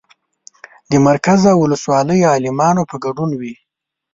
د مرکز او ولسوالۍ عالمانو په ګډون وي.